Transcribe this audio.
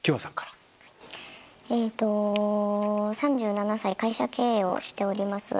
えと３７歳会社経営をしております。